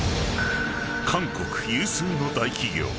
［韓国有数の大企業。